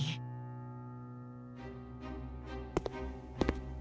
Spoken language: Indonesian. nona rose kau harus memberitahu sarah